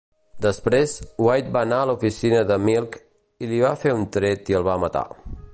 Després, White va anar a l'oficina de Milk, li va fer un tret i el va matar.